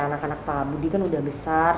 anak anak pak budi kan udah besar